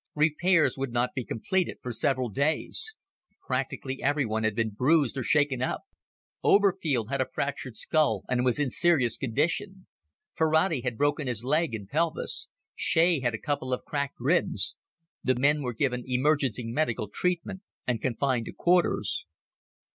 Repairs would not be completed for several days. Practically everyone had been bruised or shaken up; Oberfield had a fractured skull and was in serious condition; Ferrati had broken his leg and pelvis; Shea had a couple of cracked ribs. The men were given emergency medical treatment and confined to quarters.